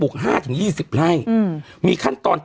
อืมอืม